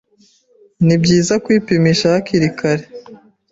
ni byiza kwipimisha hakiri kare